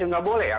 ya nggak boleh ya